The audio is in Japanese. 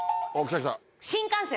新幹線。